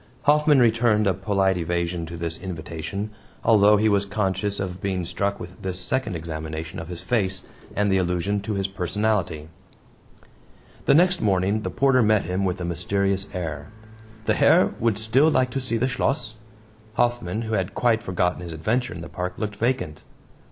Hoffman returned a polite evasion to this invitation, although he was conscious of being struck with this second examination of his face, and the allusion to his personality. The next morning the porter met him with a mysterious air. The Herr would still like to see the Schloss? Hoffman, who had quite forgotten his adventure in the park, looked vacant.